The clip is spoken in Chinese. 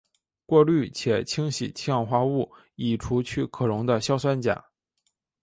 过滤且清洗氢氧化物以除去可溶的硝酸钾。